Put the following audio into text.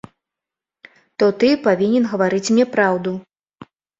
То ты павінен гаварыць мне праўду.